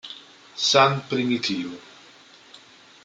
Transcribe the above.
San Primitivo